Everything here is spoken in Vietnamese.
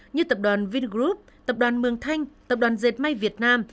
như tập đoàn vingroup tập đoàn mường thanh tập đoàn dệt may việt nam